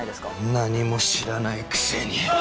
何も知らないくせに！